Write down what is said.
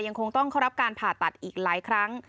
ยังคงต้องเข้ารับการผ่าตัดอีกหลายครั้ง